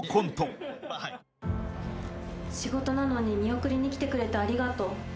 仕事なのに見送りに来てくれてありがとう。